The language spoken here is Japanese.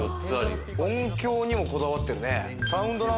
音響にも、こだわってるね。